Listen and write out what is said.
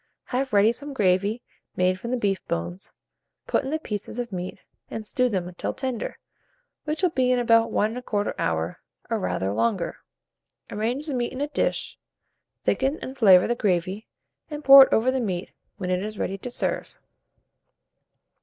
Have ready some gravy made from the beef bones; put in the pieces of meat, and stew them till tender, which will be in about 1 1/4 hour, or rather longer. Arrange the meat in a dish, thicken and flavour the gravy, and pour it over the meat, when it is ready to serve.